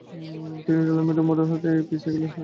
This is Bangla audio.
তিনি টলেমির মডেল হতে একটি এপিসাইকেল সরিয়ে দেন।